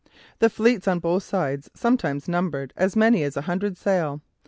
The fleets on both sides sometimes numbered as many as a hundred sail.